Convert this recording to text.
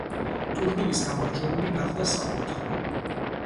ტურნირის გამარჯვებული გახდა „საბურთალო“.